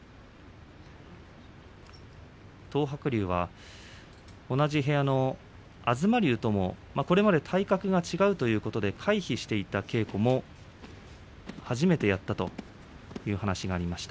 東白龍は同じ部屋の東龍ともこれまで体格が違うということで回避していた稽古も初めてやったという話がありました。